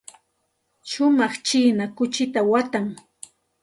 Shumaq china kuchita watan.